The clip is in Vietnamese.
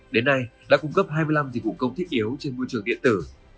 đến nay đã cung cấp hai mươi năm dịch vụ công thiết yếu trên môi trường điện tử